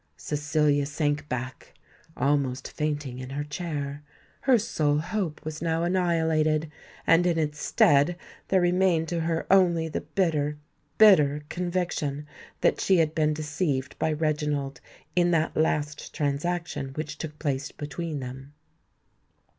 Cecilia sank back, almost fainting in her chair: her sole hope was now annihilated; and in its stead there remained to her only the bitter—bitter conviction that she had been deceived by Reginald in that last transaction which took place between them.